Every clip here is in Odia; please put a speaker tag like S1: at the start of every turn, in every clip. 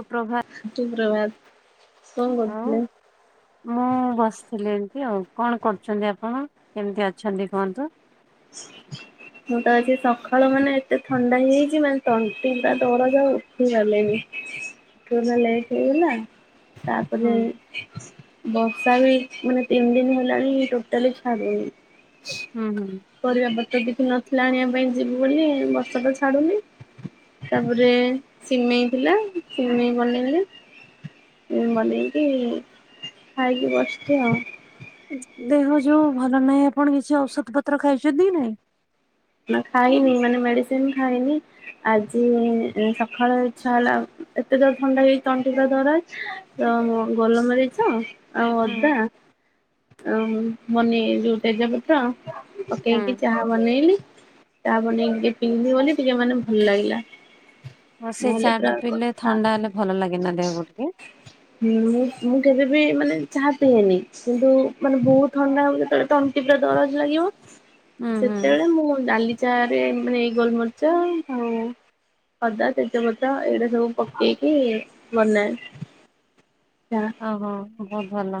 S1: ତ ପ୍ରଭା
S2: ସୁପ୍ରଭାତ କଣ
S1: ଆଉ
S2: କରୁଥିଲେ?
S1: ମୁଁ ବସିଥିଲି ଏମତି ଆଉ କଣ କରୁଛନ୍ତି ଆପଣ କେମିତି ଅଛନ୍ତି କୁହନ୍ତୁ?
S2: [inaudible] ମୁଁ ତ ଆଜି ସକାଳ ମାନେ ଏତେ ଥଣ୍ଡା ହେଇଯାଇଛି ମାନେ ତଣ୍ଟି ପୁରା ଦରଜ ଯଉ କି ଗଲେଣିି ଲେଟ ହେଇଗଲା
S1: ହୁଁ
S2: ତାପରେ ବର୍ଷା ବି ମାନେ ତିନି ଦିନ ହେଲାଣି ଟୋଟାଲି ଛାଡୁନି।
S1: ହୁଁ ହୁଁ।
S2: ପରିବାପତ୍ର କିଛି ନଥିଲା ଆଣିବା ପାଇଁ ଯିବୁ ବୋଲି ବର୍ଷା ତ ଛାଡୁନି। ତାପରେ ସିମେଇ ଥିଲା ସିମେଇ ବନେଇଲି। ବନେଇକି ଖାଇକି ବସିଛି ଆଉ।
S1: ଦେହ ଯୋଉ ଭଲ ନାହିଁ ଆପଣ କିଛି ଔଷଧ ପତ୍ର ଖାଇଛନ୍ତି ନାଇଁ?
S2: ନା ଖାଇିନି ମାନେ ମେଡିସିନ୍ ଖାଇିନି। ଆଜି ସକାଳ ଇଚ୍ଛା ହେଲା ଏତେ ଜୋରେ ଥଣ୍ଡା ହେଇଛି ତଣ୍ଟି ପୁରା ଦରଜ। ତ ଗୋଲ ମରିଚ ଆଉ
S1: ହୁଁ
S2: ଅଦା ମନି ଯୋଉ ତେଜପତ୍ର
S1: ହୁଁ
S2: ପକେଇକି ଚାହା ବନେଇଲି ଚାହା ବନେଇକି ଟିକେ ପିଇଲି ବୋଲି ଟିକେ ମାନେ ଭଲ ଲାଗିଲା।
S1: ହଁ ସେ
S2: ନହେଲେ
S1: ଚା
S2: ପୁରା
S1: ଟା ପିଇଲେ
S2: କଥା
S1: ଥଣ୍ଡା ହେଲେ ଭଲ ଲାଗେନା ଦେହକୁ ଟିକେ
S2: ହୁଁ ମୁଁ ମୁଁ କେବେବି ମାନେ ଚାହା ପିଇଏନି କିନ୍ତୁ ମାନେ ବହୁତ ଥଣ୍ଡା ହବ ଯେତେବେଳେ ତଣ୍ଟି ପୁରା ଦରଜ ଲାଗିବ
S1: ହୁଁ ହୁଁ
S2: ସେତେବେଳେ ମୁଁ ଡାଲି ଚା ରେ ମାନେ ଗୋଲମରିଚ ଆଉ ଅଦା, ତେଜପତ୍ର ଏଇରା ସବୁ ପକେଇକି ବନାଏ। ଆଚ୍ଛା।
S1: ଓହୋ ବହୁତ ଭଲ।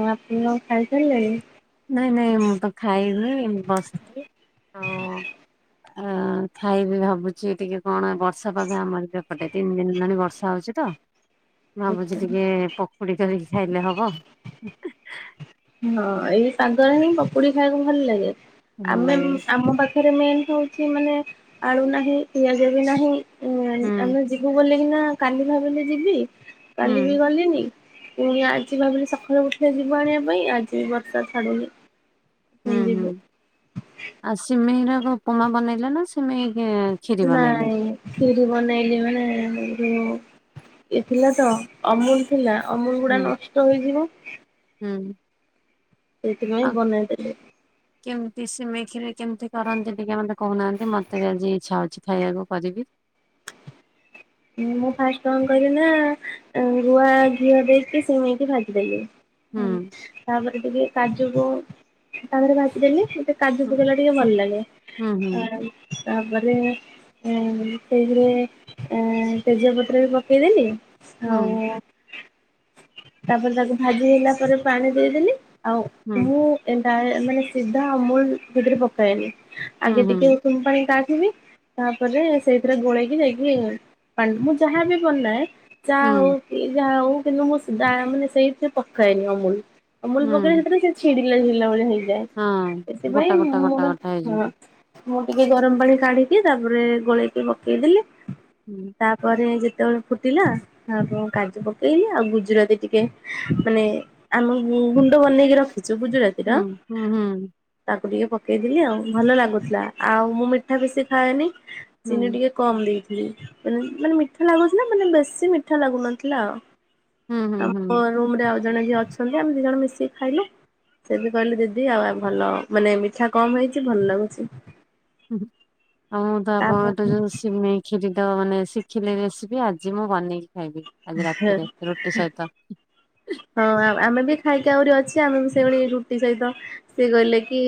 S2: ଆଉ ଆପଣ ଖାଇ ସାରିଲେଣି?
S1: ନାଇଁ ନାଇଁ ମୁଁ ତ ଖାଇନି ବସିଥିଲି।
S2: ହ
S1: ଆଉ ଆ। ଆ ଖାଇବି ଭାବୁଛି ଟିକେ କ'ଣ ବର୍ଷା ପାଗ ଆମରି ଏପଟେ ତିନି ଦିନ ହେଲାଣି ବର୍ଷା ହଉଛି ତ।
S2: ହ
S1: ଭାବୁଛି ଟିକେ ପକୁଡି କରିକି ଖାଇଲେ ହବ।
S2: ନାଇଁ ଏଇ ପାଗରେ ହିଁ ପକୁଡି ଖାଇବାକୁ ଭଲ ଲାଗେ।
S1: ଭଲ
S2: ଆମେ
S1: ଲାଗେ।
S2: ଆମ ପାଖ୍ ଥରେ ମେ ହଉଛି ମାନେ ଆଳୁ ନାହିଁ, ପିଆଜ ବି ନାହିଁ, ହୁଁ ଆମେ ଯିବୁ ବୋଲି କିନା କାଲି ଭାବିଲି ଯିବି, କାଲି ବି
S1: ହୁଁ
S2: ଗଲିନି। ପୁଣି ଆଜି ଭାବିଲି ସକାଳୁ ଉଠିଲେ ଯିବୁ ଆଣିବା ପାଇଁ ଆଜି ବି ବର୍ଷା ଛାଡୁନି। ପୁଣି
S1: ହୁଁ ହୁଁ।
S2: ଯିବୁ
S1: ଆଉ ସିମେଇର ଉପମା ବନେଇଲ ନା ସିମେଇ ଗେ
S2: ନାଇଁ ଖିରି ବନେଇଲି ମାନେ ଅମୁଲ ଏ ଥିଲା ତ। ଅମୁଲ ଥିଲା ଅମୁଲ ଗୁଡା
S1: ହୁଁ
S2: ନଷ୍ଟ ହେଇଯିବ।
S1: ହୁଁ।
S2: ଏଇଥିପାଇଁ ବନେଇ ଦେଲି।
S1: କେମତି ସିମେଇ ଖିରିରେ କେମତି କରନ୍ତି ଟିକେ ମତେ କହୁନାହାନ୍ତି? ମତେ ବି ଆଜି ଇଚ୍ଛା ହଉଛି ଖାଇବାକୁ କରିବି।
S2: ମୁଁ ମୁଁ ଫାଷ୍ଟ କ'ଣ କରିଲି ନା ଆ ଗୁଆ ଘିଅ ଦେଇକି ସିମେଇ କି ଭାଜି ଦେଲି। ହୁଁ, ତାପରେ ଟିକେ କାଜୁକୁ ତାପରେ ଭାଜି ଦେଲି ଟିକେ। କାଜୁ
S1: ହୁଁ
S2: ପକେଇଲା ଟିକେ ଭଲ ଲାଗେ।
S1: ହୁଁ ହୁଁ
S2: ଆ ତାପରେ ଉଁ ସେଇଥିରେ ଉଁ ତେଜପତ୍ର ବି ପକେଇ ଦେଲି। ଆଉ
S1: ହୁଁ।
S2: ତାପରେ ତାକୁ ଭାଜି ହେଲା ପରେ ପାଣି ଦେଇଦେଲି ଆଉ
S1: ହୁଁ
S2: ମୁଁ ଏନ୍ତା ଏ ମାନେ ସିଧା ଅମୁଲ ଭିତରେ ପକାଏନି
S1: ହୁଁ
S2: ଆଗେ ଟିକେ
S1: ହୁଁ
S2: ଉସୁମ ପାଣି କାଢିବି ତାପରେ ସେଇଥିରେ ଗୋଳେଇକି ଯାଇକି ପାଣି ମୁଁ ଯାହା ବି ବନାଏ ଚା ହଉ
S1: ହୁଁ
S2: କି ଯାହା ହଉ କିନ୍ତୁ ମୁଁ ସିଧା ମାନେ ସେଇଥିରେ ପକାଏନି ଅମୁଲ ଅମୁଲ ପକେଇଲେ
S1: ହୁଁ
S2: ସେଥିରେ ସେ ଛିଡିଲା ଛିଡ଼ିଲା ଭଳିଆ ହେଇଯାଏ
S1: ହଁ ଗୋଟା
S2: ସେଥିପାଇଁ
S1: ଗୋଟା
S2: ମୁଁ
S1: ଗୋଟା
S2: ନା,
S1: ଗୋଟା
S2: ହଁ।
S1: ହେଇଯିବ।
S2: ମୁଁ ଟିକେ ଗରମ ପାଣି କାଢି ଦିଏ ତାପରେ ଗୋଳେଇକି ପକେଇଦେଲି।
S1: ହୁଁ।
S2: ତାପରେ ଯେତେବେଳେ ଫୁଟିଲା ତାପ କାଜୁ ପକେଇଲି ଆଉ ଗୁଜୁରାତି ଟିକେ ମାନେ ଆମ ଗୁଁ ଗୁଣ୍ଡ ବନେଇକି ରଖିଛୁ ଗୁଜୁରାତି।
S1: ହୁଁ ହୁଁ ହୁଁ।
S2: ତାକୁ ଟିକେ ପକେଇ ଦେଲି ଆଉ ଭଲ ଲାଗୁଥିଲା ଆଉ ମୁଁ ମିଠା ବେଶି ଖାଏନି। ଚିନି ଟିକେ କମ୍ ଦେଇଥିଲି ମାନେ ମାନେ ମିଠା ଲାଗୁଥିଲା, ମାନେ ବେଶୀ ମିଠା ଲାଗୁନଥିଲା ଆଉ।
S1: ହୁଁ ହୁଁ।
S2: ଆମ ରୁମ୍ ରେ ଆଉ ଜଣେ ଯିଏ ଅଛନ୍ତି ଆମେ ଦି ଜଣ ମିଶିକି ଖାଇଲୁ। ସେ ବି କହିଲେ ଦିଦି ଆଉ ଆଉ ଭଲ ମାନେ ମିଠା କମ୍ ହେଇଛି ଭଲ ଲାଗୁଛି।
S1: ଉଁ ହୁଁ, ଆଉ ମୁଁ ତ
S2: ତାପରେ
S1: ଆପଣଙ୍କଠୁ ଯୋଉ ସିମେଇ ଖିରି ତ ମାନେ ଶିଖିଲି ରେସିପି ଆଜି ମୁଁ ବନେଇକି ଖାଇବି। ଆଜି ରାତିରେ ରୁ ଟି ସହିତ।
S2: ହଁ ଆମ ଆମେ ବି ଖାଇକି ଆହୁରି ଅଛି, ଆମେ ବି ସେଇଭଳି ରୁଟି ସହିତ ସେ କହିଲେ କି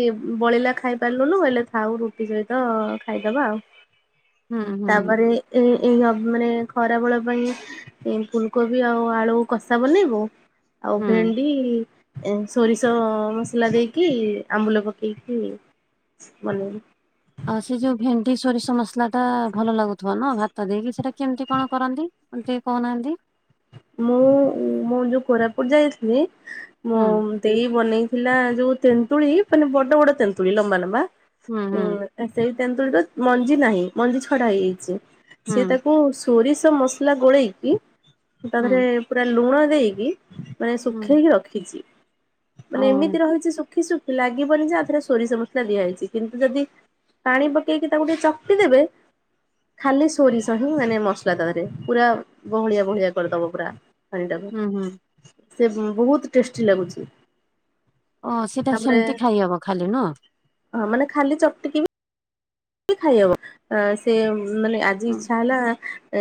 S2: ବଳିଲା ଖାଇପାରିଲୁନୁ ହେଲେ ଥାଉ ରୁଟି ସହିତ ଖାଇ ଦବା ଆଉ।
S1: ହୁଁ ହୁଁ
S2: ତାପରେ ଏ ଏଇ ଅବ ମାନେ ଖରା ବେଳ ପାଇଁ ଏ ଫୁଲକୋବି ଆଉ ଆଳୁ କଷା ବନେଇବୁ ଆଉ
S1: ହୁଁ।
S2: ଭେଣ୍ଡି ଏ ସୋରିଷ ମସଲା ଦେଇକି ଆମ୍ବୁଲ ପକେଇକି ବନେଇବୁ।
S1: ଆଉ ସେ ଯୋଉ ଭେଣ୍ଡି ସୋରିଷ ମସଲା ଟା ଭଲ ଲାଗୁଥିବ ନା ଭାତ ଦେଇକି ସେଇଟା କେମତି କ'ଣ କରନ୍ତି? ମତେ ଟିକେ କହୁନାହାନ୍ତି?
S2: ମୁଁ ମୁଁ ଯୋଉ କୋରାପୁଟ ଯାଇଥିଲି ମୋ
S1: ହୁଁ
S2: ଦେଇ ବନେଇଥିଲା ଯୋଉ ତେନ୍ତୁଳି ମାନେ ବଡ ବଡ ତେନ୍ତୁଳି ଲମ୍ବା ଲମ୍ବା
S1: ହୁଁ ହୁଁ
S2: ଉଁ ସେଇ ତେନ୍ତୁଳି ର ମଞ୍ଜି ନାହିଁ ମଞ୍ଜି ଛଡା ହେଇଯାଇଛି। ସେ
S1: ହୁଁ
S2: ତାକୁ ସୋ ସୋରିଷ ମସଲା ଗୋଳେଇକି ତାପରେ
S1: ହୁଁ
S2: ପୁରା ଲୁଣ ଦେଇକି ମାନେ
S1: ହୁଁ।
S2: ଶୁଖେଇକି ରଖିଚି।
S1: ଓ
S2: ମାନେ ଏମିତି ରହିଚି ଶୁଖି ଶୁଖି ଲାଗିବନି ଯେ ଆ ଦେହରେ ସୋରିଷ ମସଲା ଦିଆ ହେଇଚି କିନ୍ତୁ ଯଦି ପାଣି ପକେଇକି ତାକୁ ଟିକେ ଚକଟି ଦେବେ ଖାଲି ସୋରିଷ ହିଁ ମାନେ ମସଲା ତାଦେହରେ ପୁରା ବହଳିଆ ବହଳିଆ କରିଦେବ ପୁରା ପାଣି ଟାକୁ
S1: ହୁଁ ହୁଁ
S2: ସେ ବୋହୁତ ଟେଷ୍ଟି ଲାଗୁଚି।
S1: ଅଂ ସେ ତ ସେମତି ଖାଇହବ ଖାଲି ନୁଅ।
S2: ହଁ ମାନେ ଖାଲି ଚକଟିକି ବି ଖାଇହବ ସେ ମାନେ ଆଜି
S1: ହୁଁ
S2: ଇଚ୍ଛା ହେଲା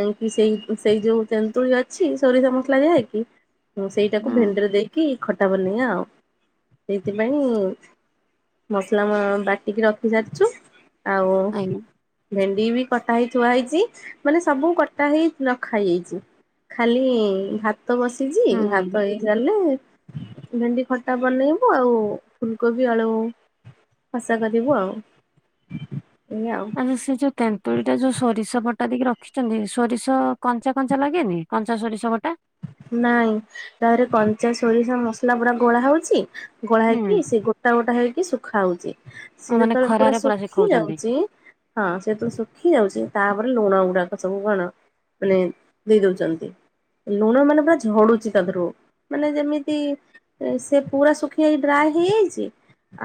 S2: ଏଁ କି ସେଇ ସେଇ ଯୋଉ ତେନ୍ତୁଳି ଅଛି ସୋରିଷ ମସଲା ଦିଆ ହେଇକି ହଁ ସେଇଟାକୁ
S1: ହୁଁ
S2: ଭେଣ୍ଡିରେ ଦେଇକି ଖଟା ବନେଇଵା ଆଉ ସେଇଥିପାଇଁ ମସଲା ବାଟିକି ରଖି ସାରିଚୁ ଆଉ
S1: ଆଜ୍ଞା
S2: ଭେଣ୍ଡି ବି କଟା ହେଇ ଥୁଆ ହେଇଚି ମାନେ ସବୁ କଟା ହେଇ ନଖା ହେଇଯାଇଚି। ଖାଲି ଭାତ ବସିଚି
S1: ହୁଁ
S2: ଭାତ
S1: ହୁଁ।
S2: ହେଇ ଗଲେ ଭେଣ୍ଡି ଖଟା ବନେଇବୁ ଆଉ ଫୁଲକୋବି ଆଳୁ କସା କରିବୁ ଆଉ। ଏଇଆ ଆଉ।
S1: ସେ ଯୋଉ ତେନ୍ତୁଳି ଟା ଯୋଉ ସୋରିଷ ବଟା ଦେଇକି ରଖିଚନ୍ତି। ସୋରିଷ କଞ୍ଚା କଞ୍ଚା ଲାଗେନି? କଞ୍ଚା ସୋରିଷ ବଟା।
S2: ନାଇଁ ତାପରେ କଞ୍ଚା ସୋରିଷ ମସଲା ପୁରା ଗୋଳା ହୋଉଚି। ଗୋଳା ହେଇକି
S1: ହୁଁ
S2: ସେ ଗୋଟା ଗୋଟା ହେଇକି ଶୁଖା ହୋଉଚି।
S1: ଆଉ
S2: ସିଏ
S1: ମାନେ
S2: ଯେତେବେଳେ ପୁରା
S1: ଖରାରେ
S2: ଶୁଖି
S1: ଶୁଖଉଛନ୍ତି
S2: ଯାଉଚି। ହଁ ସିଏ ଯେତେବେଳେ ସୁଖି ଯାଉଚି ତାପରେ ଲୁଣ ଗୁଡାକ ସବୁ କଣ ମାନେ ଦେଇ ଦଉଚନ୍ତି। ଲୁଣ ମାନେ ପୁରା ଝଡୁଚି ତା ଦେହରୁ ମାନେ ଯେମିତି ସେ ପୁରା ଶୁଖିଯାଇ ଡ୍ରାଏ ହେଇଯାଇଚି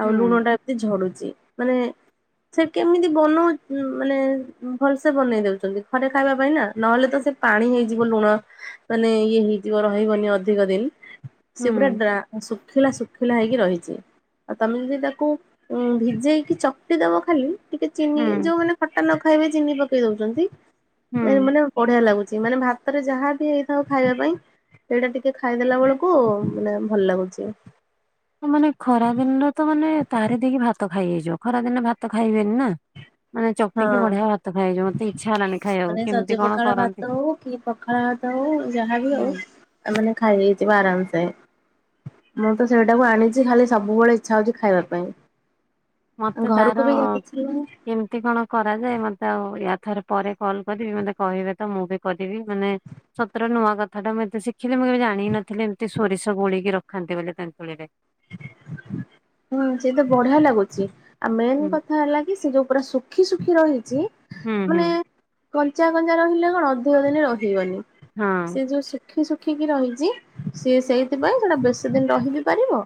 S2: ଆଉ
S1: ହୁଁ।
S2: ଲୁଣ ଟା ଏମତି ଝଡୁଛି ମାନେ ସେ କେମିତି ବନୋଉ ମାନେ ଭଲସେ ବନେଇ ଦଉଚନ୍ତି। ଘରେ ଖାଇବା ପାଇଁ ନା ନହେଲେ ତ ସେ ପାଣି ହେଇଯିବ ଲୁଣ ମାନେ ଇଏ ହେଇଯିବ ରହିବନି ଅଧିକ ଦିନ ସେ ପୁରା
S1: ହୁଁ
S2: ଡ୍ରା ଶୁଖିଲା ଶୁଖିଲା ହେଇକି ରହିଚି। ତମେ ଯଦି ତାକୁ ଭିଜେଇକି ଚକଟି ଦେବ ଖାଲି ଟିକେ ଚିନି
S1: ହୁଁ
S2: ଯୋଉମାନେ ଖଟା ନ ଖାଇବେ ଚିନି ପକେଇ ଦଉଚନ୍ତି।
S1: ହୁଁ।
S2: ମାନେ ବଢିଆ ଲାଗୁଚି ମାନେ ଭାତରେ ଯାହାବି ହେଇ ଥାଉ ଖାଇବା ପାଇଁ ଏଇଟା ଟିକେ ଖାଇଦେଲା ବେଳକୁ ମାନେ ଭଲ ଲାଗୁଚି।
S1: ମାନେ ଖରା ଦିନରେ ତ ମାନେ ତାରି ଦେଇକି ଭାତ ଖାଇହେଇ ଯିବ। ଖରା ଦିନରେ ଭାତ ଖାଇ ହୁଏନି ନା। ମାନେ ଚକଟିକି
S2: ହଁ।
S1: ବଢିଆ ଭାତ ଖାଇ ହେଇଯିବ। ମତେ ଇଚ୍ଛା ହେଲାଣି
S2: ମାନେ
S1: ଖାଇବାକୁ
S2: ସଜ
S1: କେମିତି କଣ
S2: ପଖାଳ
S1: କରନ୍ତି?
S2: ଭାତ ହଉ ପଖାଳ ଭାତ ହୋଉ ଯାହା ବି
S1: ହୁଁ।
S2: ହୋଉ ମାନେ ଖାଇ ହେଇଯିବ ଆରାମ ସେ। ମୁଁ ତ ସେଇଟାକୁ ଆଣିଚି ଖାଲି ସବୁବେଳେ ଇଚ୍ଛା ହଉଚି ଖାଇବା ପାଇଁ
S1: ମତେ ତାର
S2: ଘରକୁ ବି ଇଏ କିଛି ନୁହେଁ।
S1: କେମିତି କଣ କରାଯାଏ ମତେ ଆଉ ୟା ଥରେ ପରେ କଲ କରିବି ମତେ କହିବେ ତ। ମୁଁ ବି କରିବି ମାନେ ସତରେ ନୂଆ କଥାଟା ମୁଁ ଏତେ ଶି ଖିନି। ମୁଁ କେବେ ଜାଣି ହିଁ ନଥିଲି ଏମିତି ସୋରିଷ ବୋଳିକି ରଖନ୍ତି ବୋଲି ତେନ୍ତୁଳିରେ।
S2: ହୁଁ ସେ ତ ବଢିଆ ଲାଗୁଚି। ଆଉ ମେନ
S1: ହୁଁ।
S2: କଥା ହେଲା କି ସେ ଯୋଉ ପୁରା ସୁଖି ସୁଖୀ ସୁଖୀ ରହିଚି
S1: ହୁଁ ହୁଁ
S2: ମାନେ କଞ୍ଚା କଞ୍ଚା ରହିଲେ କଣ ଅଧିକ ଦିନ ରହିିବନି।
S1: ହଁ
S2: ସିଏ ଯୋଉ ଶୁଖି ଶୁଖିକି ରହିଚି। ସିଏ ସେଇଥିପାଇଁ ସେଟା ବେସି ଦିନ ରହି ବିି ପାରିବ।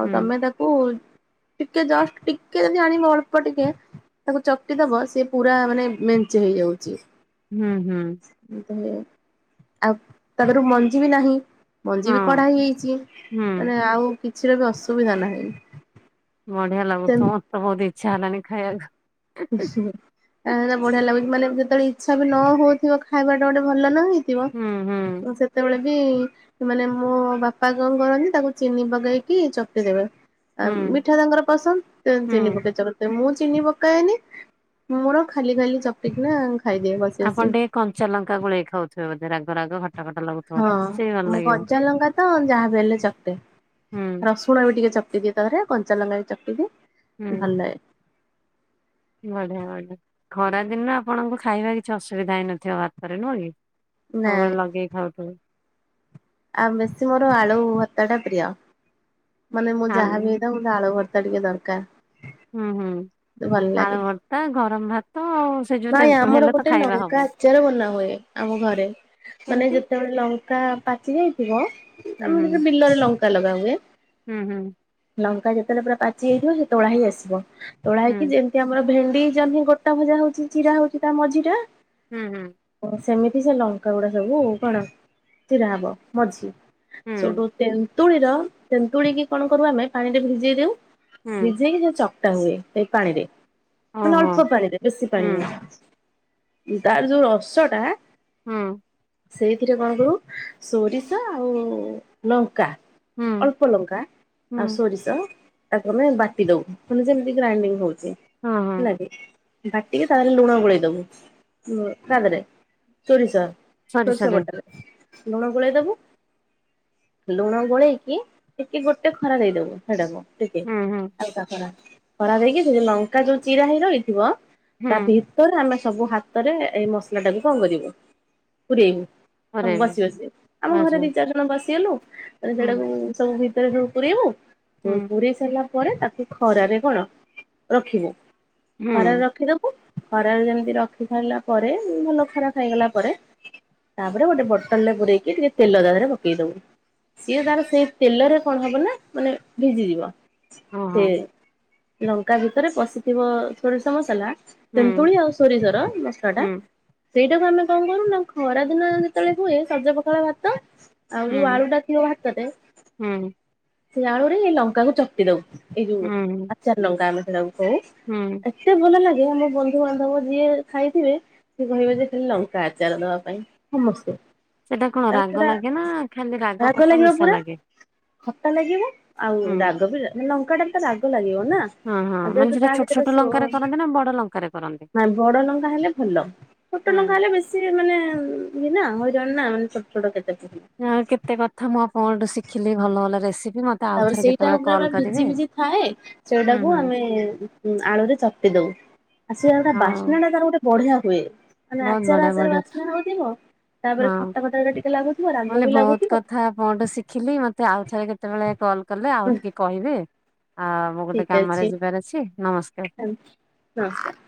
S2: ଆଉ
S1: ହୁଁ
S2: ତମେ ତାକୁ ଟିକେ ଜଷ୍ଟ ଟିକେ ଯେମିତି ଆଣିବ ଅଳ୍ପ ଟିକେ ତାକୁ ଚକଟି ଦବ ସିଏ ପୁରା ମାନେ ମେଞ୍ଚେ ହେଇଯାଉଚି।
S1: ହୁଁ ହୁଁ।
S2: ଆଉ ତାପର ମଞ୍ଜି ବି ନାହିଁ। ମଞ୍ଜି ବି କଡା
S1: ହଁ ହୁଁ।
S2: ହେଇଯାଇଚି ଆଉ କିଛିଟା ବି ଅସୁବିଧା ନାହିଁ।
S1: ବଢିଆ ଲାଗୁଥିବ ମତେ ବୋହୁତ ଇଚ୍ଛା ହେଲାନି ଖାଇବାକୁ।
S2: ଏରା ବଢିଆ ଲାଗୁଚି ମାନେ ଯେତେବେଳେ ଇଚ୍ଛା ବି ନ ହଉଥିବ ଖାଇବାଟା ଗୋଟେ ଭଲ ନୁହେଁ କି।
S1: ହୁଁ ହୁଁ
S2: ଥିବ ସେତେବେଳେ ବି ମାନେ ମୋ ବାପା କଣ କରନ୍ତି ତାକୁ ଚିନି ପକେଇକି ଚକଟି ଦେବେ। ଆ
S1: ହୁଁ।
S2: ମିଠା ତାଙ୍କର ପସନ୍ଦ ତେଣୁ
S1: ହୁଁ
S2: ଚିନି ପକେଇକି ଚକଟି ଦେବେ ମୁଁ ଚିନି ପକାଏନି ମୋର ଖାଲି ଖାଲି ଚକଟିକି ନା ଖାଇଦିଏ ବସି
S1: ଆପଣ ଟିକେ କଞ୍ଚା ଲଙ୍କା ଗୋଳେଇ ଖାଉଥିବେ ବୋଧେ ରାଗ ରାଗ ଖଟା ଖଟା ଲାଗୁ
S2: ହଁ ମୁଁ କଞ୍ଚାଲଙ୍କା ତ ଯାହା ବି ହେଲେ ଚକଟେ
S1: ହୁଁ
S2: ରସ୍ ସୂଣ ବି ଟିକେ ଚକଟି ଦିଏ ତା ଧିଅରେ କଞ୍ଚା ଲଙ୍କା ବି ଚକଟି
S1: ହୁଁ
S2: ଦିଏ ଭଲ ଲାଗେ।
S1: ବଢିଆ ବଢିଆ ଖରାଦିନ ଆପଣଙ୍କୁ ଖାଇବା କିଛି ଅସୁବିଧା ହେଇନଥିବ ଭାତରେ ନୁହଁ କି?
S2: ନାଇଁ।
S1: ସବୁବେଳେ ଲଗେଇ ଖାଉଥିବୁ।
S2: ଆଉ ବେଶୀ ମୋର ଆଳୁ ଭର୍ତାଟା ପ୍ରିୟ। ମାନେ ମୁଁ
S1: ଆଳୁ
S2: ଯାହା ବି ହେଇଥାଉ ମୋତେ ଆଳୁ ଭର୍ତା ଟିକେ ଦରକାର।
S1: ହୁଁ ହୁଁ
S2: ଭଲ ଲାଗେ
S1: ଆଳୁ ଭର୍ତା ଗରମ ଭାତ ଆଉ ସେ ଯୋଉ
S2: ନାଇଁ
S1: ତେନ୍ତୁଳି
S2: ଆମର
S1: ହେଲେ ତ
S2: ଗୋଟେ
S1: ଖାଇବା
S2: ଲଙ୍କା
S1: ହବ
S2: ଆଚାର ବନା ହୁଏ ଆମ ଘରେ ମାନେ
S1: କେମିତି
S2: ଯେତ୍ ତେବେଳେ ଲଙ୍କା ପାଚି ଯାଇଥିବ
S1: ହୁଁ
S2: ଆମର
S1: ହୁଁ।
S2: ଯେତେବେଳେ ବିଲରେ ଲଙ୍କା ଲଗାହୁଏ
S1: ହୁଁ ହୁଁ।
S2: ଲଙ୍କା ଯେତେବେଳେ ପୁରା ପାଚି ଯାଇଥିବ ସେ ତୋଳା ହେଇକି ଆସିବ ତୋଳା
S1: ହୁଁ
S2: ହେଇକି ଯେମ ସିଏ ଆମର ଭେଣ୍ଡି ଜହ୍ନି ଗୋଟା ଭଜା ହଉଛି ଚିରା ହଉଛି ତା ମଝିଟା
S1: ହୁଁ ହୁଁ।
S2: ଓ ସେମିତି ସେ ଲଙ୍କାଗୁଡା ସବୁ କଣ ଚିରା ହବ ମଝି।
S1: ହୁଁ
S2: ସୋଉଠୁ ତେନ୍ତୁଳିର ତେନ୍ତୁଳି କି କଣ କରୁ ଆମେ ପାଣିରେ ଭିଜେଇ ଦେଉ
S1: ହୁଁ
S2: ସିଝେଇକି ଯୋଉ ଚକଟା ହୁଏ ସେଇ ପାଣିରେ ମାନେ
S1: ଓହୋ
S2: ଅଳ୍ପ ପାଣିରେ ବେଶୀ ପାଣି
S1: ହୁଁ
S2: ନୁହଁ ତାର ଯୋଉ ରସ ଟା
S1: ହୁଁ।
S2: ସେଇଥିରେ କଣ ଦବୁ ସୋରିଷ ଆଉ ଲଙ୍କା
S1: ହୁଁ
S2: ଅଳ୍ପ ଲଙ୍କା ଆଉ
S1: ହୁଁ
S2: ସୋରିଷ ତାକୁ ଆମେ ବାଟି ଦଉ ମାନେ ଯେମିତି ଗ୍ରାଇଡିଂ ହଉଛି
S1: ହଁ ହଁ।
S2: ହେଲା କି ବାଟ୍ ଟିକେ ତାହେଲେ ଲୁଣ ଗୋଳେଇଦବୁ ଉଁ ତା ଦେହରେ ସୋରିଷ
S1: ସରି
S2: ସୋରିଷ
S1: ସରି
S2: ବଟାରେ। ଲୁଣ ଗୋଳେଇ ଦବୁ ଲୁଣ ଗୋଳେଇକି ଟିକେ ଗୋଟେ ଖରା ଦେଇଦବୁ ହେଇଟାକୁ ଟିକେ
S1: ହୁଁ ହୁଁ
S2: ଆଉ [unintelligible] ଖରା ଦେଇକି ସେ ଯୋଉ ଲଙ୍କା ଯୋଉ ଚିରା ହେଇ ରହିଥିବ ତା
S1: ହୁଁ
S2: ଭିତରେ ଆମେ ସବୁ ହାତରେ ଏଇ ମସଲା ଟାକୁ କଣ କରିବୁ ପୁରେଇବୁ। ହଁ
S1: ପରେ ଏବେ
S2: ବସି ବସି ଆମ
S1: ବାସ
S2: ଘରେ ଦି ଚାର ଜ ଣ ବସିଗଲୁ ତାପରେ ସେଟାକୁ ସବୁ ଭିତରେ ସବୁ ପୁରେଇବୁୁ ପୁ ପୁରେଇ ସ ଇଲା ପରେ ତାକୁ ଖରାରେ କଣ ରଖିବୁ ଖରାରେ ରଖିଦବ ଖରାରେ ଯେମିତି ରଖି ସାରିଲା ପରେ ଭଲ ଖରା ଖାଇଗଲା ପରେ ତାପରେ ଗୋଟେ ବଟଲରେ ପୁରେଇକି ଟିକେ ତେଲ ତା ଦେହରେ ପକେଇ ଦବୁ। ସିଏ ତାର ସେଇ ତେଲରେ କଣ ହବ ନା ମାନେ ଭିଜିଯିବ।
S1: ଓହୋ
S2: ସେ
S1: ହୁଁ
S2: ଲଙ୍କା ଭିତରେ ପଶିଥିବ ସୋରିଷ ମସଲା ତନ୍ତୁଳି ଆଉ ସୋରିଷର ମସଲାଟା
S1: ହୁଁ
S2: ସେଇଟାକୁ ଆମେ କଣ କରୁ ନା ଖରାଦିନ ଯେତେବେଳେ ହୁଏ ସଜପଖାଳ ଭାତ ଆଉ ଯୋଉ
S1: ହୁଁ
S2: ଆଳୁଟା ଥିବ ଭାତରେ,
S1: ହୁଁ
S2: ସେଇ ଆଳୁରେ ଏଇ ଲଙ୍କା କୁ ଚକଟି ଦଉ। ଏଇ ଯୋଉ
S1: ହୁଁ
S2: ଆଚାର ଲଙ୍କା ଆମେ ସେଇଟାକୁ କହୁ।
S1: ହୁଁ।
S2: ଏତେ ଭଲ ଲାଗେ ମାନେ ବନ୍ଧୁବାନ୍ଧବ ଯିଏ ଖାଇଥିବେ ସେ କହିବେ ଯେ ଖାଲି ଲଙ୍କା ଆଚାର ଦବା ପାଇଁ ସମସ୍ତେ।
S1: ସେଟା କଣ
S2: କାରଣ
S1: ରାଗ
S2: ସେଟା
S1: ଲାଗେ ନା ଖାଲି ରାଗ ଖଟା
S2: ଲାଗିବ
S1: ମିଶା
S2: ପୁରା
S1: ଲାଗେ?
S2: ଖଟା ଲାଗିବ ଆଉ
S1: ହୁଁ
S2: ରାଗ ବି ଲା ମାନେ ଲଙ୍କାଟା ବି ତ ରାଗ ଲାଗିବ ନା
S1: ହଁ ହଁ
S2: ଆଉ
S1: ମାନେ
S2: ଯେହେତୁ
S1: ସେଟା
S2: ତାହେଲେ
S1: ଛୋଟ ଛୋଟ ଲଙ୍କାରେ କରନ୍ତି ନା ବଡ ଲଙ୍କାରେ କରନ୍ତି?
S2: ନାଇ ବଡ ଲଙ୍କା ହେଲେ ଭଲ ଛୋଟ ଲଙ୍କା
S1: ହୁଁ
S2: ହେଲେ ବେଶୀ ମାନେ ଇଏ ନା ହଇରାଣ ନା ମାନେ ଛୋଟ ଛୋଟ କେତେ ପକେଇବ।
S1: ଯାହା ହଉ କେତେ କଥା ମୁଁ ଆପଣଙ୍କଠୁ ଶିଖିଲି ଭଲ ଭଲ ରେସିପି ମତ
S2: ତାପରେ ସେଇଟା ଆମର ଭିଜି ଭିଜି ଥାଏ।
S1: ହୁଁ
S2: ସେଟାକୁ
S1: ହୁଁ
S2: ଆମେ ଆଳୁରେ ଚଟି ଦଉ ଆଉ ସେ ଗୋଟା
S1: ହଉ
S2: ବାସ୍ନାଟା ତାର ଗୋଟେ ବଢିଆ ହୁଏ। ମାନେ
S1: ବହୁତ
S2: ଆଚାର
S1: ବଢିଆ
S2: ଆଚାର
S1: ବଢିଆ
S2: ବାସ୍ନା ହଉଥିବ
S1: ହଁ
S2: ତାପରେ ଖଟା ଖଟା ଟିକେ ଲାଗୁଥିବ ରାଗ ବି ଲାଗୁଥିବ।
S1: ଥା ଆପଣଠୁ ଶିଖିଲି ମତେ ଆଉ ଥରେ କେତେବେଳେ କଲ କଲେ ଆଉ ଟିକେ କହିବେ ଆଉ ମୁଁ ଗୋଟେ
S2: ଠିକ
S1: କାମରେ
S2: ଅଛି
S1: ଯିବାର ଅଛି ନମସ୍କାର।
S2: ନମସ୍କାର।